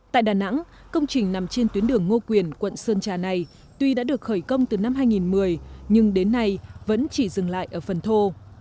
tại đà nẵng công trình nằm trên tuyến đường ngô quyền quận sơn trà này tuy đã được khởi công từ năm hai nghìn một mươi nhưng đến nay vẫn chỉ dừng lại ở phần thô